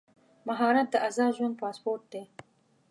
مهارت د ازاد ژوند پاسپورټ دی.